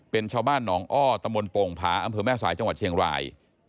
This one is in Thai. เป็นชาวบ้านหนองอ้อตำบลโป่งผาอำเภอแม่สายจังหวัดเชียงราย